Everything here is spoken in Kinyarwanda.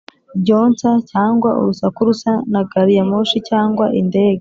ryonsa, cyangwa urusaku rusa na gari ya moshi cyangwa indege